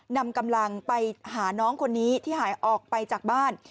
นำกำลังไปหาน้องคนนี้ที่หายออกไปจากบ้าน